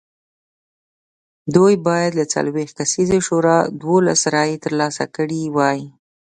دوی باید له څلوېښت کسیزې شورا دولس رایې ترلاسه کړې وای